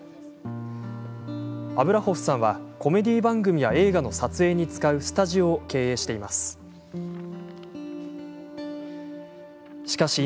アブラホフさんはコメディー番組や映画の撮影に使うスタジオを経営していました。